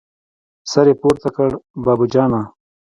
سر يې پورته کړ: بابو جانه!